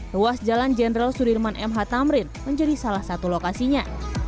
ruas jalan jenderal sudirman mh tamrin menjadi salah satu lokasinya